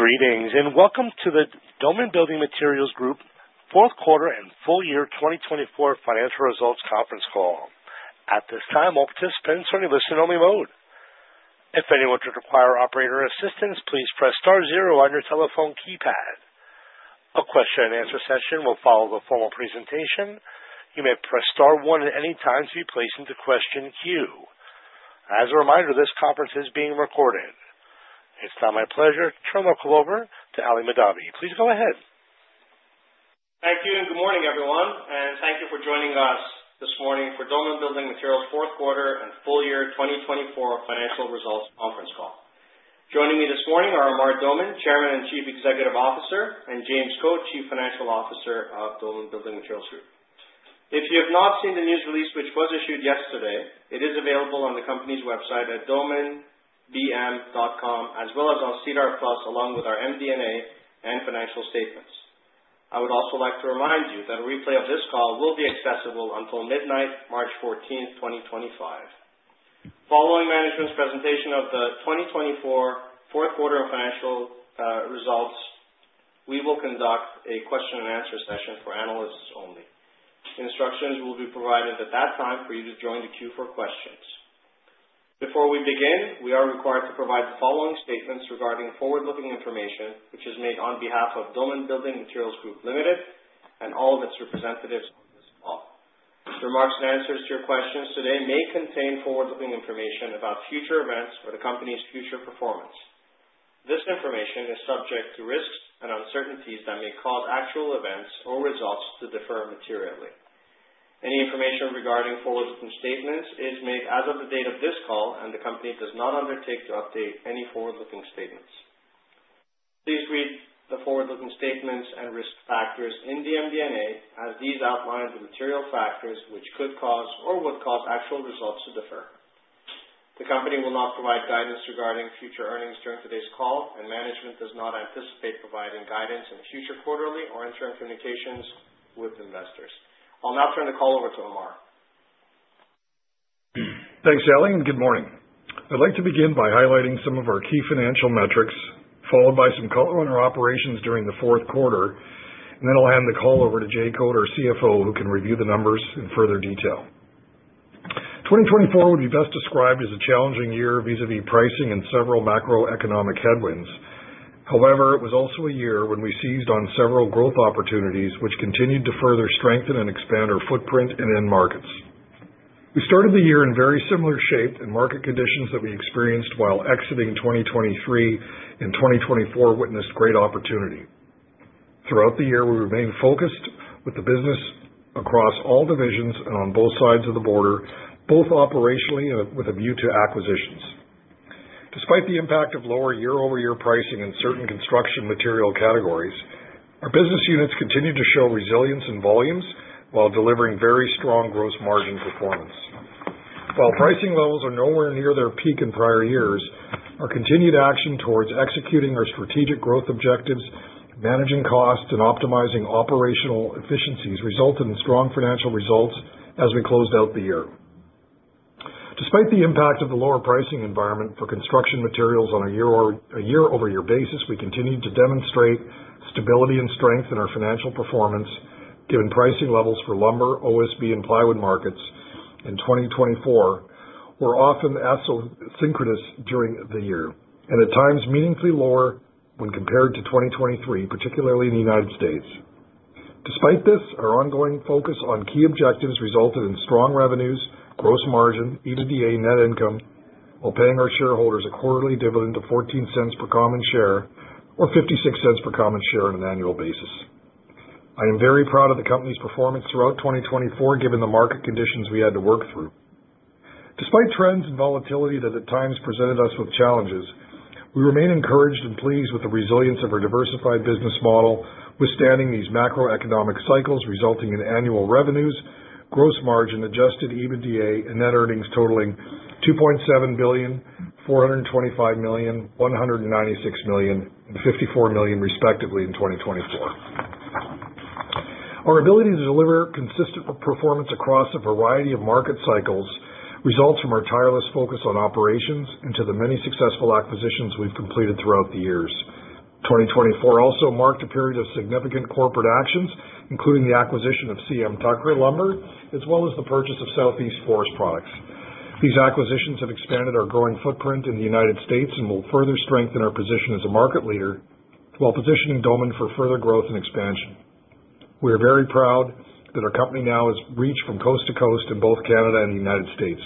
Greetings and welcome to the Doman Building Materials Group 4th Quarter and Full Year 2024 Financial Results Conference Call. At this time, all participants are in listen-only mode. If anyone should require operator assistance, please press star zero on your telephone keypad. A question-and-answer session will follow the formal presentation. You may press star one at any time to be placed into question queue. As a reminder, this conference is being recorded. It's now my pleasure to turn the call over to Ali Mahdavi. Please go ahead. Thank you and good morning, everyone. Thank you for joining us this morning for Doman Building Materials fourth quarter and full year 2024 financial results conference call. Joining me this morning are Amar Doman, Chairman and Chief Executive Officer, and James Code, Chief Financial Officer of Doman Building Materials Group. If you have not seen the news release, which was issued yesterday, it is available on the company's website at domanbm.com, as well as on CDAR Plus, along with our MD&A and financial statements. I would also like to remind you that a replay of this call will be accessible until midnight, March 14, 2025. Following management's presentation of the 2024 fourth quarter and financial results, we will conduct a question-and-answer session for analysts only. Instructions will be provided at that time for you to join the queue for questions. Before we begin, we are required to provide the following statements regarding forward-looking information, which is made on behalf of Doman Building Materials Group Ltd. and all of its representatives on this call. The remarks and answers to your questions today may contain forward-looking information about future events or the company's future performance. This information is subject to risks and uncertainties that may cause actual events or results to differ materially. Any information regarding forward-looking statements is made as of the date of this call, and the company does not undertake to update any forward-looking statements. Please read the forward-looking statements and risk factors in the MD&A, as these outline the material factors which could cause or would cause actual results to differ. The company will not provide guidance regarding future earnings during today's call, and management does not anticipate providing guidance in future quarterly or interim communications with investors. I'll now turn the call over to Amar. Thanks, Ali, and good morning. I'd like to begin by highlighting some of our key financial metrics, followed by some color on our operations during the fourth quarter, and then I'll hand the call over to James Code, our CFO, who can review the numbers in further detail. 2024 would be best described as a challenging year vis-à-vis pricing and several macroeconomic headwinds. However, it was also a year when we seized on several growth opportunities, which continued to further strengthen and expand our footprint in end markets. We started the year in very similar shape and market conditions that we experienced while exiting 2023, and 2024 witnessed great opportunity. Throughout the year, we remained focused with the business across all divisions and on both sides of the border, both operationally and with a view to acquisitions. Despite the impact of lower year-over-year pricing in certain construction material categories, our business units continued to show resilience in volumes while delivering very strong gross margin performance. While pricing levels are nowhere near their peak in prior years, our continued action towards executing our strategic growth objectives, managing costs, and optimizing operational efficiencies resulted in strong financial results as we closed out the year. Despite the impact of the lower pricing environment for construction materials on a year-over-year basis, we continued to demonstrate stability and strength in our financial performance, given pricing levels for lumber, OSB, and plywood markets in 2024 were often asymmetrical during the year and at times meaningfully lower when compared to 2023, particularly in the U.S. Despite this, our ongoing focus on key objectives resulted in strong revenues, gross margin, EBITDA, net income, while paying our shareholders a quarterly dividend of 0.14 per common share or 0.56 per common share on an annual basis. I am very proud of the company's performance throughout 2024, given the market conditions we had to work through. Despite trends and volatility that at times presented us with challenges, we remain encouraged and pleased with the resilience of our diversified business model, withstanding these macroeconomic cycles resulting in annual revenues, gross margin, adjusted EBITDA, and net earnings totaling 2.7 billion, 425 million, 196 million, and 54 million, respectively, in 2024. Our ability to deliver consistent performance across a variety of market cycles results from our tireless focus on operations and to the many successful acquisitions we've completed throughout the years. 2024 also marked a period of significant corporate actions, including the acquisition of CM Tucker Lumber, as well as the purchase of Southeast Forest Products. These acquisitions have expanded our growing footprint in the United States and will further strengthen our position as a market leader while positioning Doman for further growth and expansion. We are very proud that our company now is reached from coast to coast in both Canada and the United States.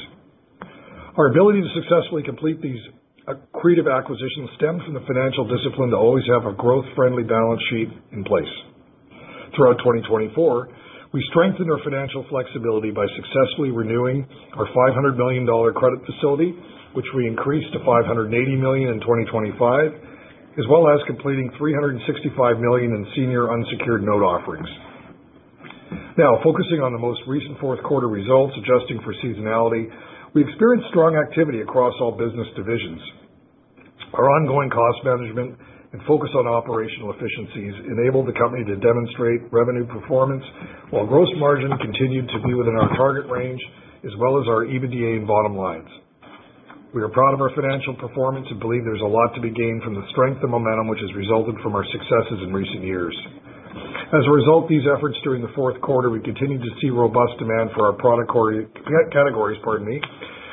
Our ability to successfully complete these accretive acquisitions stems from the financial discipline to always have a growth-friendly balance sheet in place. Throughout 2024, we strengthened our financial flexibility by successfully renewing our 500 million dollar credit facility, which we increased to 580 million in 2025, as well as completing 365 million in senior unsecured note offerings. Now, focusing on the most recent fourth quarter results, adjusting for seasonality, we experienced strong activity across all business divisions. Our ongoing cost management and focus on operational efficiencies enabled the company to demonstrate revenue performance, while gross margin continued to be within our target range, as well as our EBITDA and bottom lines. We are proud of our financial performance and believe there's a lot to be gained from the strength and momentum which has resulted from our successes in recent years. As a result, these efforts during the fourth quarter, we continue to see robust demand for our product categories,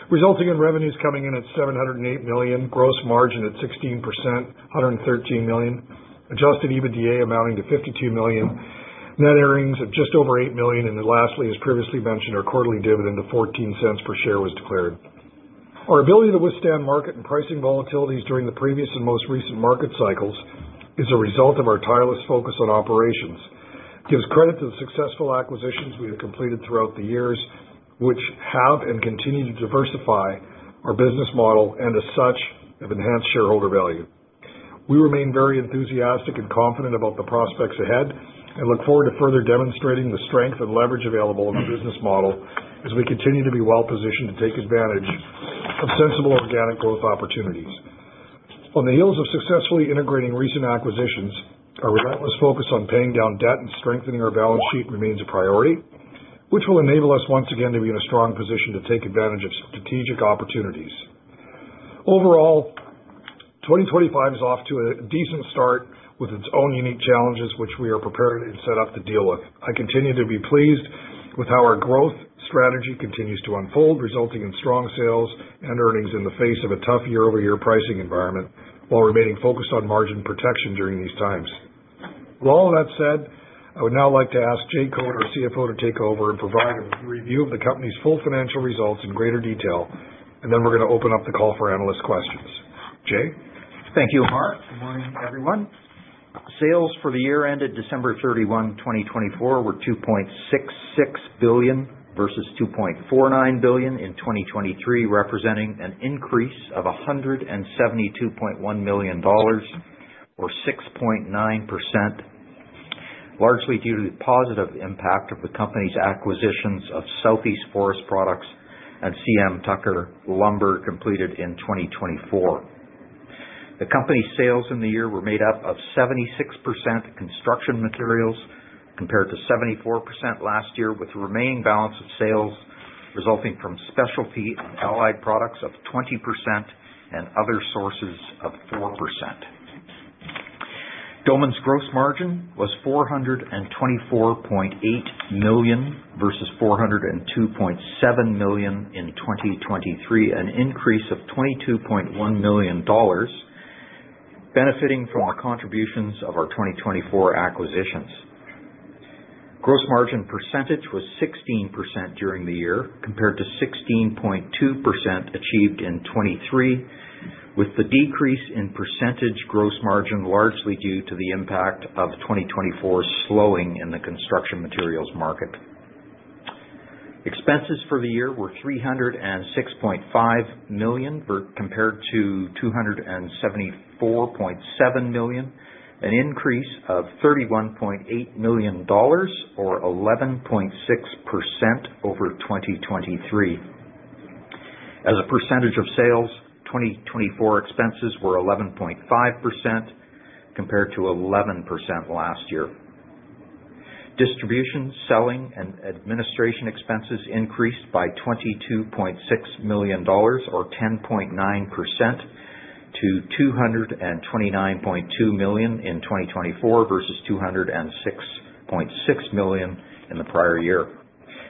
resulting in revenues coming in at 708 million, gross margin at 16%, 113 million, adjusted EBITDA amounting to 52 million, net earnings of just over 8 million, and lastly, as previously mentioned, our quarterly dividend of 0.14 per share was declared. Our ability to withstand market and pricing volatilities during the previous and most recent market cycles is a result of our tireless focus on operations. It gives credit to the successful acquisitions we have completed throughout the years, which have and continue to diversify our business model and, as such, have enhanced shareholder value. We remain very enthusiastic and confident about the prospects ahead and look forward to further demonstrating the strength and leverage available in our business model as we continue to be well-positioned to take advantage of sensible organic growth opportunities. On the heels of successfully integrating recent acquisitions, our relentless focus on paying down debt and strengthening our balance sheet remains a priority, which will enable us once again to be in a strong position to take advantage of strategic opportunities. Overall, 2025 is off to a decent start with its own unique challenges, which we are prepared and set up to deal with. I continue to be pleased with how our growth strategy continues to unfold, resulting in strong sales and earnings in the face of a tough year-over-year pricing environment, while remaining focused on margin protection during these times. With all of that said, I would now like to ask James Code, our CFO, to take over and provide a review of the company's full financial results in greater detail, and then we're going to open up the call for analyst questions. James? Thank you, Amar. Good morning, everyone. Sales for the year ended December 31, 2024, were 2.66 billion versus 2.49 billion in 2023, representing an increase of 172.1 million dollars, or 6.9%, largely due to the positive impact of the company's acquisitions of Southeast Forest Products and CM Tucker Lumber completed in 2024. The company's sales in the year were made up of 76% construction materials compared to 74% last-year, with the remaining balance of sales resulting from specialty and allied products of 20% and other sources of 4%. Doman's gross margin was 424.8 million versus 402.7 million in 2023, an increase of 22.1 million dollars, benefiting from the contributions of our 2024 acquisitions. Gross margin percentage was 16% during the year, compared to 16.2% achieved in 2023, with the decrease in percentage gross margin largely due to the impact of 2024 slowing in the construction materials market. Expenses for the year were 306.5 million compared to 274.7 million, an increase of 31.8 million dollars, or 11.6% over 2023. As a percentage of sales, 2024 expenses were 11.5% compared to 11% last-year. Distribution, selling, and administration expenses increased by 22.6 million dollars, or 10.9%, to 229.2 million in 2024 versus 206.6 million in the prior year,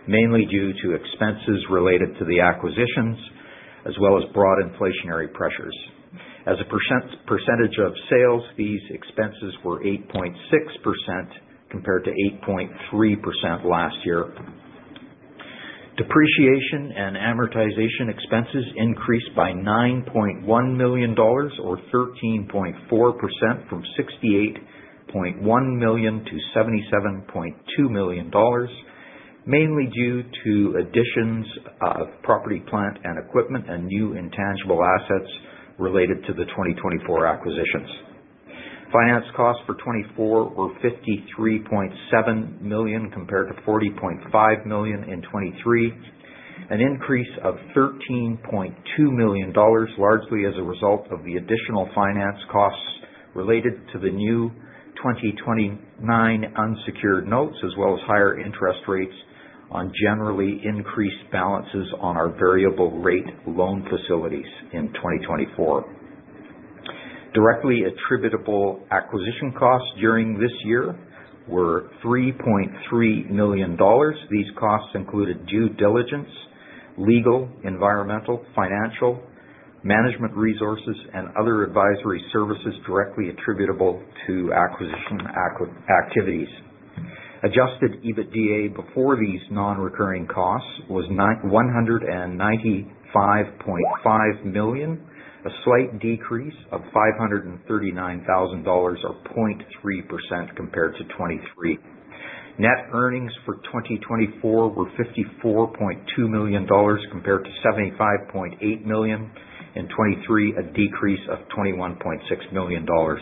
mainly due to expenses related to the acquisitions as well as broad inflationary pressures. As a percentage of sales, these expenses were 8.6% compared to 8.3% last-year. Depreciation and amortization expenses increased by 9.1 million dollars, or 13.4%, from 68.1 million to 77.2 million dollars, mainly due to additions of property, plant, and equipment and new intangible assets related to the 2024 acquisitions. Finance costs for 2024 were 53.7 million compared to 40.5 million in 2023, an increase of 13.2 million dollars, largely as a result of the additional finance costs related to the new 2029 unsecured notes, as well as higher interest rates on generally increased balances on our variable-rate loan facilities in 2024. Directly attributable acquisition costs during this year were 3.3 million dollars. These costs included due diligence, legal, environmental, financial, management resources, and other advisory services directly attributable to acquisition activities. Adjusted EBITDA before these non-recurring costs was 195.5 million, a slight decrease of 539,000 dollars, or 0.3%, compared to 2023. Net earnings for 2024 were 54.2 million dollars compared to 75.8 million in 2023, a decrease of 21.6 million dollars.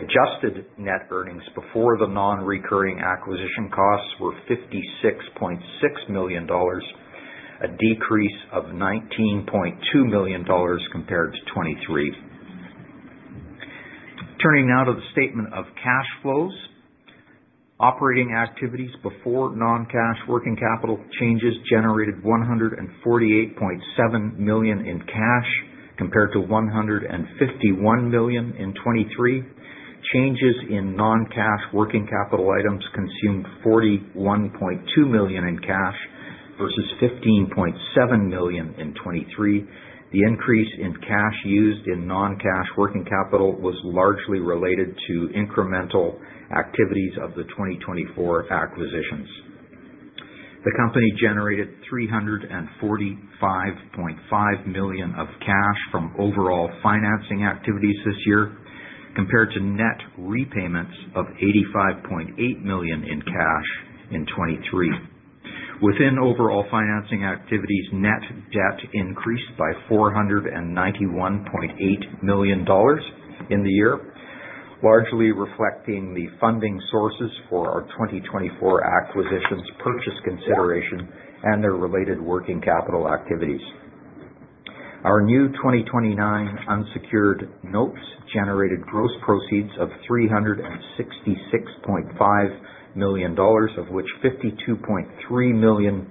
Adjusted net earnings before the non-recurring acquisition costs were 56.6 million dollars, a decrease of 19.2 million dollars compared to 2023. Turning now to the statement of cash flows, operating activities before non-cash working capital changes generated 148.7 million in cash compared to 151 million in 2023. Changes in non-cash working capital items consumed 41.2 million in cash versus 15.7 million in 2023. The increase in cash used in non-cash working capital was largely related to incremental activities of the 2024 acquisitions. The company generated 345.5 million of cash from overall financing activities this year, compared to net repayments of 85.8 million in cash in 2023. Within overall financing activities, net debt increased by 491.8 million dollars in the year, largely reflecting the funding sources for our 2024 acquisitions purchase consideration and their related working capital activities. Our new 2029 unsecured notes generated gross proceeds of 366.5 million dollars, of which 52.3 million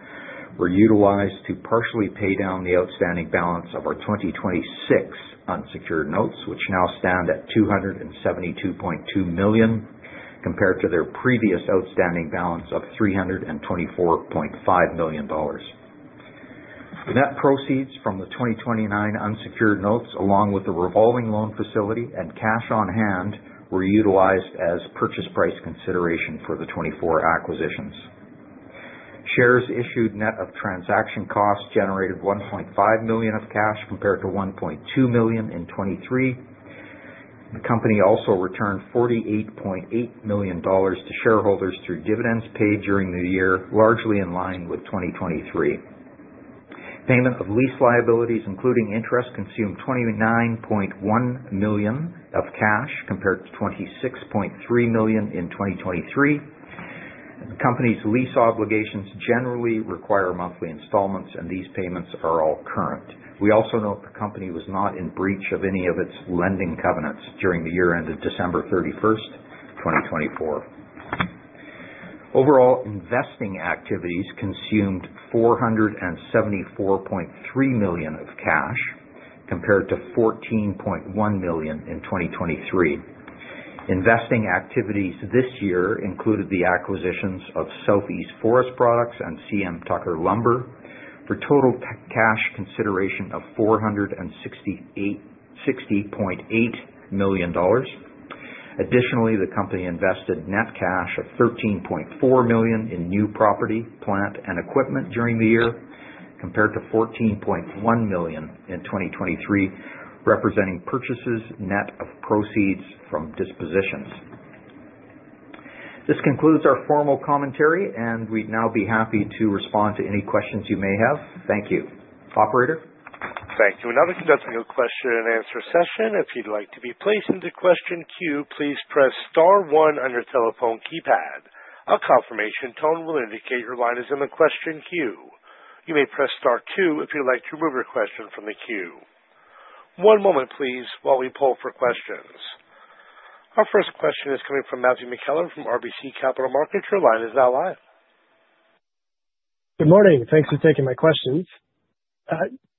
were utilized to partially pay down the outstanding balance of our 2026 unsecured notes, which now stand at 272.2 million compared to their previous outstanding balance of 324.5 million dollars. Net proceeds from the 2029 unsecured notes, along with the revolving loan facility and cash on hand, were utilized as purchase price consideration for the 2024 acquisitions. Shares issued net of transaction costs generated 1.5 million of cash compared to 1.2 million in 2023. The company also returned 48.8 million dollars to shareholders through dividends paid during the year, largely in line with 2023. Payment of lease liabilities, including interest, consumed 29.1 million of cash compared to 26.3 million in 2023. The company's lease obligations generally require monthly installments, and these payments are all current. We also note the company was not in breach of any of its lending covenants during the year ended December 31, 2024. Overall, investing activities consumed 474.3 million of cash compared to 14.1 million in 2023. Investing activities this year included the acquisitions of Southeast Forest Products and CM Tucker Lumber for total cash consideration of 460.8 million dollars. Additionally, the company invested net cash of 13.4 million in new property, plant, and equipment during the year, compared to 14.1 million in 2023, representing purchases net of proceeds from dispositions. This concludes our formal commentary, and we'd now be happy to respond to any questions you may have. Thank you. Operator? Thank you. Another conjunctional question and answer session. If you'd like to be placed into question queue, please press star one on your telephone keypad. A confirmation tone will indicate your line is in the question queue. You may press star two if you'd like to remove your question from the queue. One moment, please, while we pull for questions. Our first question is coming from Matthew McKeller from RBC Capital Markets, your line is now live. Good morning. Thanks for taking my questions.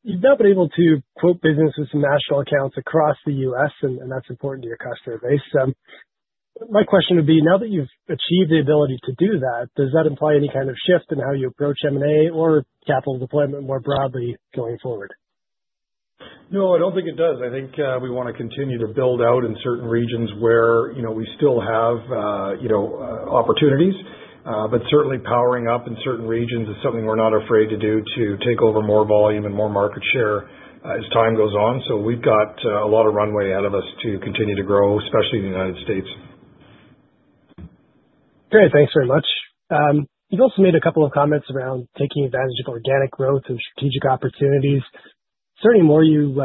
You've now been able to quote business with some national accounts across the U.S., and that's important to your customer base. My question would be, now that you've achieved the ability to do that, does that imply any kind of shift in how you approach M&A or capital deployment more broadly going forward? No, I do not think it does. I think we want to continue to build out in certain regions where we still have opportunities, but certainly powering up in certain regions is something we are not afraid to do to take over more volume and more market share as time goes on. We have got a lot of runway ahead of us to continue to grow, especially in the United States. Okay. Thanks very much. You've also made a couple of comments around taking advantage of organic growth and strategic opportunities. Is there any more you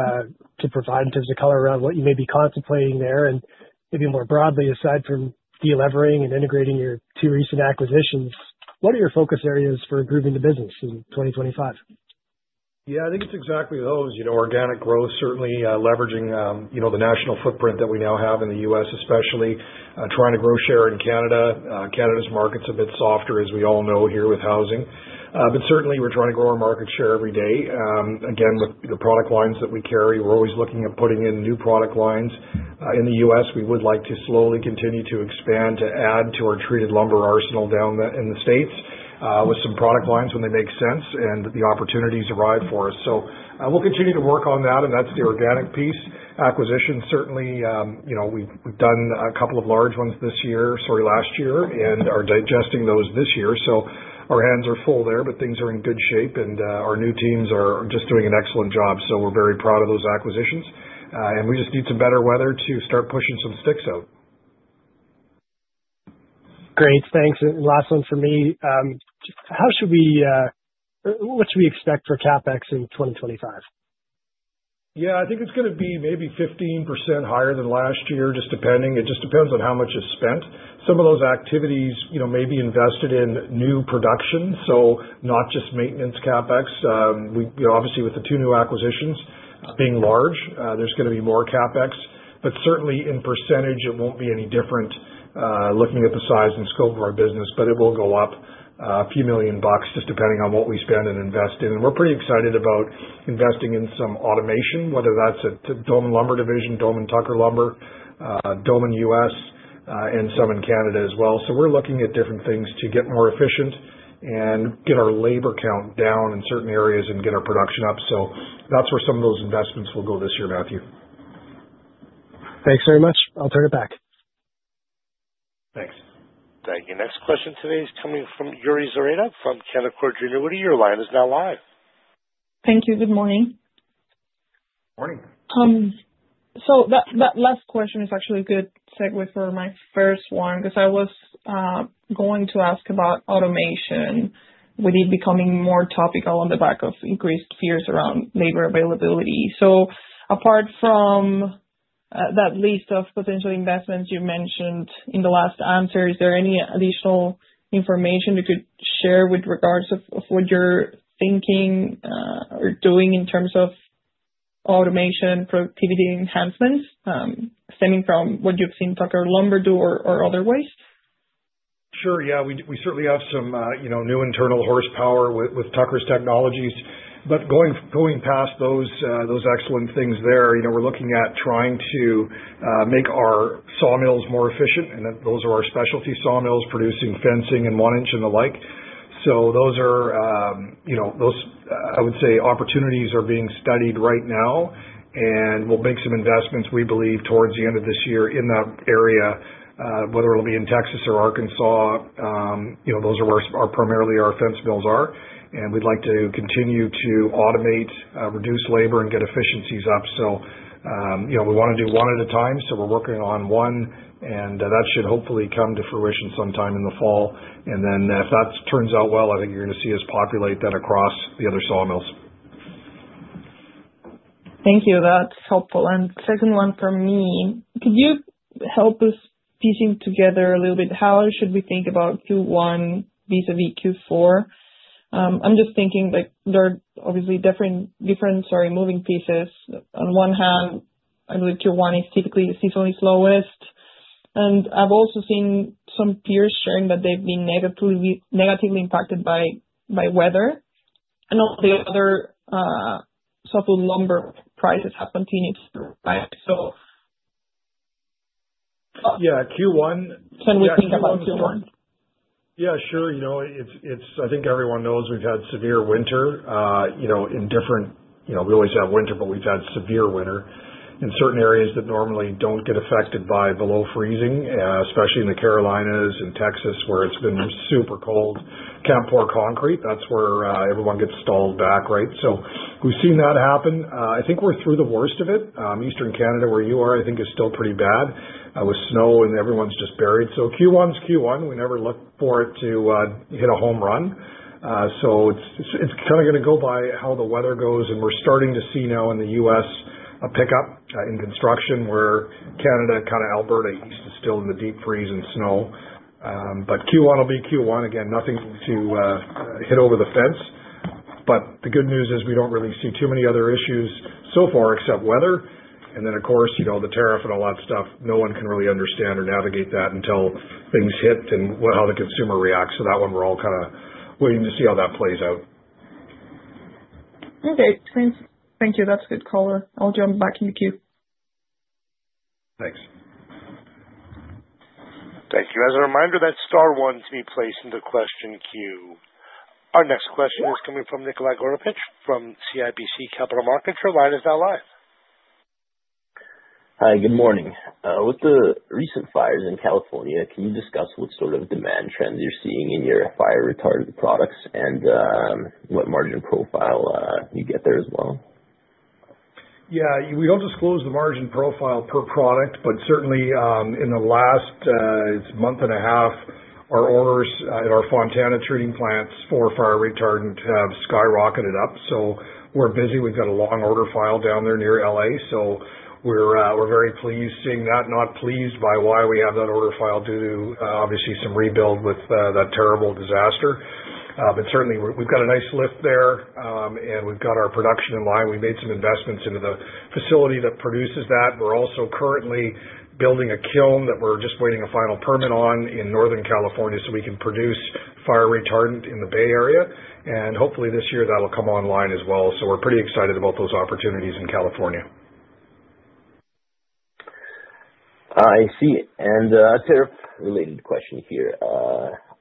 could provide in terms of color around what you may be contemplating there? Maybe more broadly, aside from delivering and integrating your two recent acquisitions, what are your focus areas for improving the business in 2025? Yeah, I think it's exactly those. Organic growth, certainly leveraging the national footprint that we now have in the U.S., especially trying to grow share in Canada. Canada's market's a bit softer, as we all know here, with housing. Certainly, we're trying to grow our market share every day. Again, with the product lines that we carry, we're always looking at putting in new product lines. In the U.S., we would like to slowly continue to expand to add to our treated lumber arsenal down in the States with some product lines when they make sense and the opportunities arrive for us. We'll continue to work on that, and that's the organic piece. Acquisitions, certainly. We've done a couple of large ones this year, sorry, last year, and are digesting those this year. Our hands are full there, but things are in good shape, and our new teams are just doing an excellent job. We are very proud of those acquisitions, and we just need some better weather to start pushing some sticks out. Great. Thanks. Last one for me. How should we—what should we expect for CapEx in 2025? Yeah, I think it's going to be maybe 15% higher than last year, just depending. It just depends on how much is spent. Some of those activities may be invested in new production, so not just maintenance CapEx. Obviously, with the two new acquisitions being large, there's going to be more CapEx. Certainly, in percentage, it won't be any different looking at the size and scope of our business, but it will go up a few million bucks just depending on what we spend and invest in. We're pretty excited about investing in some automation, whether that's at the Doman Lumber division, CM Tucker Lumber, Doman U.S., and some in Canada as well. We're looking at different things to get more efficient and get our labor count down in certain areas and get our production up. That's where some of those investments will go this year, Matthew. Thanks very much. I'll turn it back. Thanks. Thank you. Next question today is coming from Yuri Zareta from Canaccord Genuity. You are live. Thank you. Good morning. Morning. That last question is actually a good segue for my first one because I was going to ask about automation. With it becoming more topical on the back of increased fears around labor availability. Apart from that list of potential investments you mentioned in the last answer, is there any additional information you could share with regards to what you're thinking or doing in terms of automation productivity enhancements stemming from what you've seen Tucker Lumber do or otherwise? Sure. Yeah. We certainly have some new internal horsepower with Tucker's Technologies. Going past those excellent things there, we're looking at trying to make our sawmills more efficient, and those are our specialty sawmills producing fencing and one-inch and the like. Those are, I would say, opportunities are being studied right now, and we'll make some investments, we believe, towards the end of this year in that area, whether it'll be in Texas or Arkansas. Those are where primarily our fence mills are, and we'd like to continue to automate, reduce labor, and get efficiencies up. We want to do one at a time. We're working on one, and that should hopefully come to fruition sometime in the fall. If that turns out well, I think you're going to see us populate that across the other sawmills. Thank you. That's helpful. Second one for me, could you help us piecing together a little bit? How should we think about Q1 vis-à-vis Q4? I'm just thinking there are obviously different, sorry, moving pieces. On one hand, I believe Q1 is typically seasonally slowest. I've also seen some peers sharing that they've been negatively impacted by weather. On the other, soap and lumber prices have continued to rise. Yeah. Q1. Can we think about Q1? Yeah, sure. I think everyone knows we've had severe winter in different—we always have winter, but we've had severe winter in certain areas that normally do not get affected by below freezing, especially in the Carolinas and Texas where it's been super cold. Campore concrete, that's where everyone gets stalled back, right? We have seen that happen. I think we're through the worst of it. Eastern Canada, where you are, I think is still pretty bad with snow, and everyone's just buried. Q1 is Q1. We never look for it to hit a home run. It is kind of going to go by how the weather goes. We are starting to see now in the U.S. a pickup in construction where Canada, kind of Alberta, east is still in the deep freeze and snow. Q1 will be Q1. Again, nothing to hit over the fence. The good news is we do not really see too many other issues so far except weather. Of course, the tariff and all that stuff, no one can really understand or navigate that until things hit and how the consumer reacts. That one, we are all kind of waiting to see how that plays out. Okay. Thank you. That's good call. I'll jump back in the queue. Thanks. Thank you. As a reminder, that is star one to be placed into the question queue. Our next question is coming from Nikolai Goroupitch from CIBC Capital Markets. Your line is now live. Hi. Good morning. With the recent fires in California, can you discuss what sort of demand trends you're seeing in your fire-retardant products and what margin profile you get there as well? Yeah. We don't disclose the margin profile per product, but certainly in the last month and a half, our orders at our Fontana treating plants for fire-retardant have skyrocketed up. We are busy. We've got a long order file down there near LA. We are very pleased seeing that. Not pleased by why we have that order file due to, obviously, some rebuild with that terrible disaster. Certainly, we've got a nice lift there, and we've got our production in line. We made some investments into the facility that produces that. We are also currently building a kiln that we're just waiting a final permit on in Northern California so we can produce fire-retardant in the Bay Area. Hopefully, this year, that'll come online as well. We are pretty excited about those opportunities in California. I see. A tariff-related question here.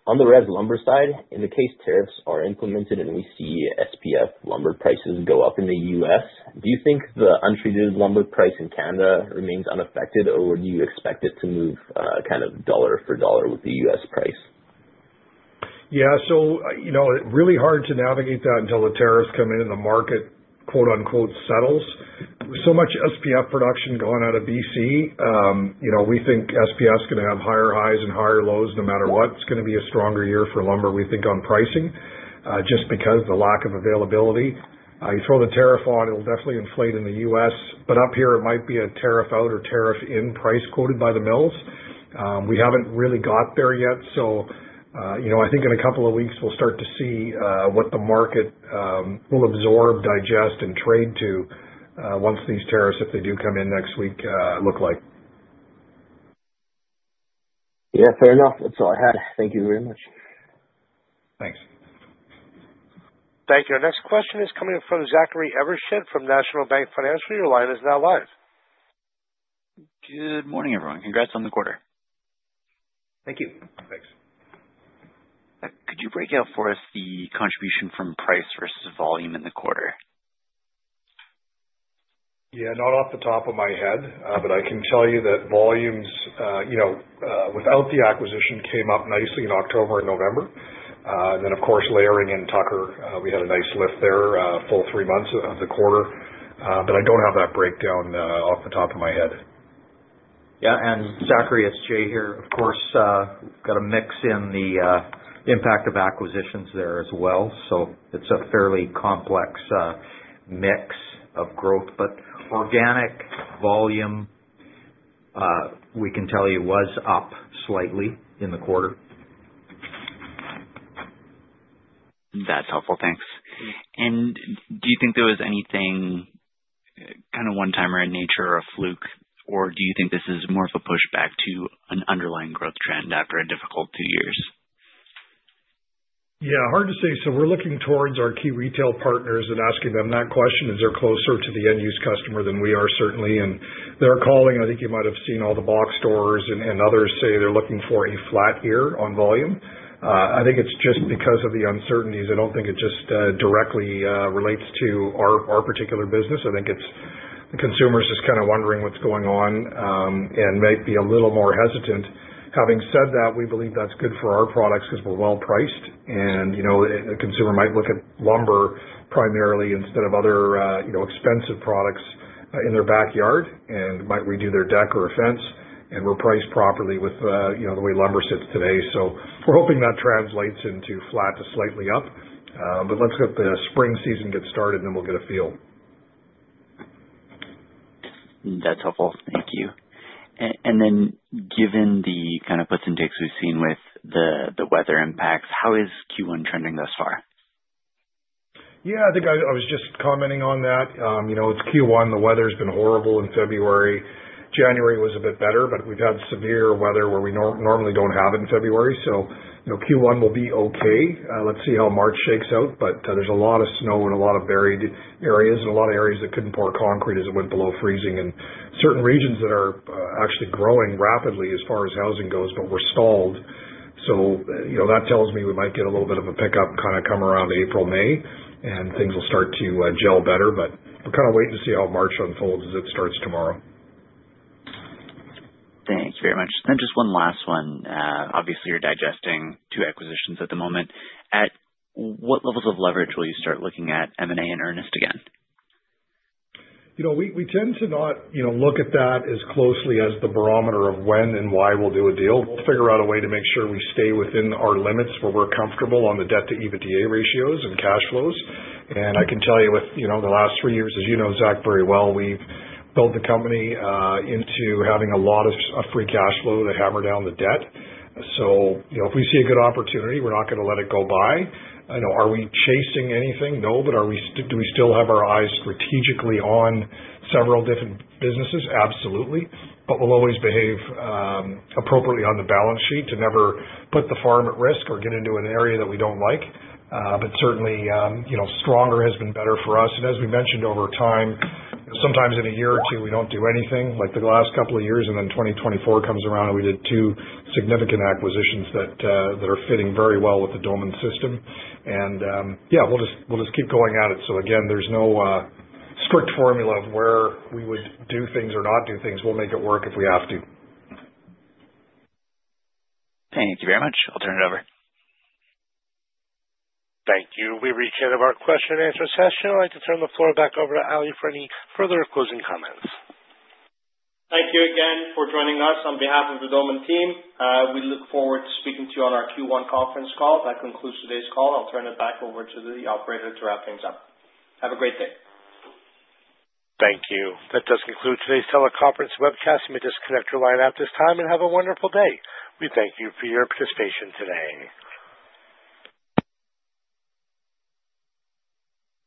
On the red lumber side, in the case tariffs are implemented and we see SPF lumber prices go up in the U.S., do you think the untreated lumber price in Canada remains unaffected, or do you expect it to move kind of dollar for dollar with the U.S. price? Yeah. Really hard to navigate that until the tariffs come in and the market, quote-unquote, "settles." So much SPF production gone out of British Columbia. We think SPF's going to have higher highs and higher lows no matter what. It's going to be a stronger year for lumber, we think, on pricing just because of the lack of availability. You throw the tariff on, it'll definitely inflate in the U.S. Up here, it might be a tariff out or tariff in price quoted by the mills. We haven't really got there yet. I think in a couple of weeks, we'll start to see what the market will absorb, digest, and trade to once these tariffs, if they do come in next week, look like. Yeah. Fair enough. That's all I had. Thank you very much. Thanks. Thank you. Our next question is coming from Zachary Evershed from National Bank Financial. Your line is now live. Good morning, everyone. Congrats on the quarter. Thank you. Thanks. Could you break out for us the contribution from price versus volume in the quarter? Yeah. Not off the top of my head, but I can tell you that volumes without the acquisition came up nicely in October and November. Of course, layering in Tucker, we had a nice lift there, full three months of the quarter. I do not have that breakdown off the top of my head. Yeah. Zachary, it's Jay here. Of course, we've got a mix in the impact of acquisitions there as well. It is a fairly complex mix of growth. Organic volume, we can tell you, was up slightly in the quarter. That's helpful. Thanks. Do you think there was anything kind of one-timer in nature or fluke, or do you think this is more of a pushback to an underlying growth trend after a difficult two years? Yeah. Hard to say. We're looking towards our key retail partners and asking them that question. They're closer to the end-use customer than we are, certainly. They're calling. I think you might have seen all the box stores and others say they're looking for a flat year on volume. I think it's just because of the uncertainties. I don't think it just directly relates to our particular business. I think the consumer is just kind of wondering what's going on and might be a little more hesitant. Having said that, we believe that's good for our products because we're well-priced. The consumer might look at lumber primarily instead of other expensive products in their backyard and might redo their deck or a fence and reprice properly with the way lumber sits today. We're hoping that translates into flat to slightly up. Let's get the spring season get started, and then we'll get a feel. That's helpful. Thank you. Given the kind of puts and takes we've seen with the weather impacts, how is Q1 trending thus far? Yeah. I think I was just commenting on that. It's Q1. The weather has been horrible in February. January was a bit better, but we've had severe weather where we normally don't have it in February. Q1 will be okay. Let's see how March shakes out. There's a lot of snow in a lot of buried areas and a lot of areas that couldn't pour concrete as it went below freezing and certain regions that are actually growing rapidly as far as housing goes, but we're stalled. That tells me we might get a little bit of a pickup kind of come around April, May, and things will start to gel better. We're kind of waiting to see how March unfolds as it starts tomorrow. Thank you very much. Just one last one. Obviously, you're digesting two acquisitions at the moment. At what levels of leverage will you start looking at M&A in earnest again? We tend to not look at that as closely as the barometer of when and why we'll do a deal. We will figure out a way to make sure we stay within our limits where we're comfortable on the debt-to-EBITDA ratios and cash flows. I can tell you with the last three years, as you know, Zach, very well, we've built the company into having a lot of free cash flow to hammer down the debt. If we see a good opportunity, we're not going to let it go by. Are we chasing anything? No, but do we still have our eyes strategically on several different businesses? Absolutely. We will always behave appropriately on the balance sheet to never put the farm at risk or get into an area that we do not like. Certainly, stronger has been better for us. As we mentioned over time, sometimes in a year or two, we do not do anything like the last couple of years. In 2024, we did two significant acquisitions that are fitting very well with the Doman system. Yeah, we will just keep going at it. There is no strict formula of where we would do things or not do things. We will make it work if we have to. Thank you very much. I'll turn it over. Thank you. We've reached the end of our question-and-answer session. I'd like to turn the floor back over to Ali for any further closing comments. Thank you again for joining us on behalf of the Doman team. We look forward to speaking to you on our Q1 conference call. That concludes today's call. I'll turn it back over to the operator to wrap things up. Have a great day. Thank you. That does conclude today's teleconference webcast. You may disconnect your line at this time and have a wonderful day. We thank you for your participation today.